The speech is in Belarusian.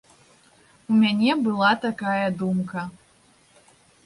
У мяне была такая думка.